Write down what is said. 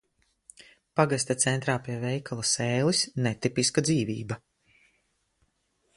Pagasta centrā pie veikala "Sēlis" netipiska dzīvība.